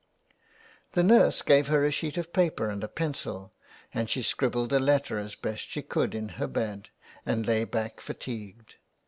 The nurse gave her a sheet of paper and a pencil, and she scribbled a letter as best she could in her bed, and lay back fatigued.